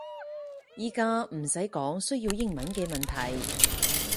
而家唔使講需要英文嘅問題